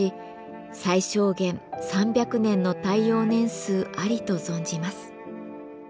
最小限３００年の耐用年数ありと存じます。